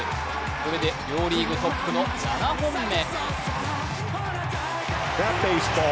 これで両リーグトップの７本目。